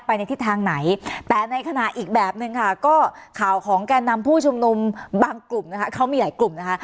ในทิศทางไหนแต่ในขณะอีกแบบนึงค่ะก็ข่าวของแก่นำผู้ชุมนุมบางกลุ่มนะคะเขามีหลายกลุ่มนะคะ